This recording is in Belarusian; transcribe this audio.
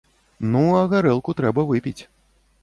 Ну, а гарэлку трэба выпіць.